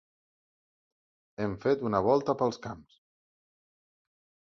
Hem fet una volta pels camps.